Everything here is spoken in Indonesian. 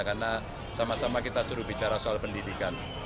karena sama sama kita suruh bicara soal pendidikan